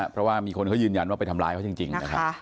เพราะว่ามีคนเค้ายืนยันว่าไปทำร้ายเค้าจริง